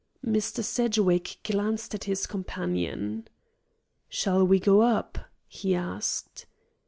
Mr. Sedgwick glanced at his companion. "Shall we go up?" he asked.